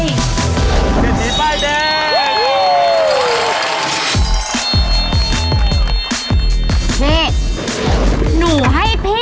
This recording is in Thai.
สุขเศษเป็นปรีน่ะคอยรวยคอยรวย